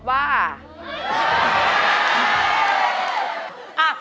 ไม่บาก